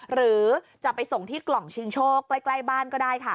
หรือจะไปส่งที่กล่องชิงโชคใกล้บ้านก็ได้ค่ะ